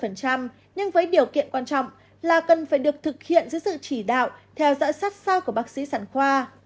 nhưng với điều kiện quan trọng là cần phải được thực hiện dưới sự chỉ đạo theo dõi sát sao của bác sĩ sản khoa